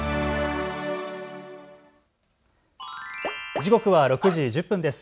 時刻は６時１０分です。